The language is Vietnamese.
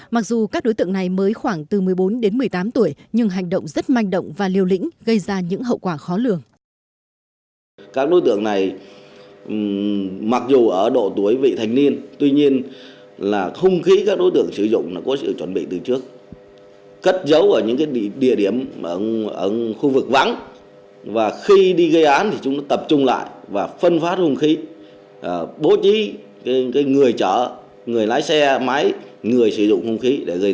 mặc dù các đối tượng này mới khoảng từ một mươi bốn đến một mươi tám tuổi nhưng hành động rất manh động và liều lĩnh gây ra những hậu quả khó lường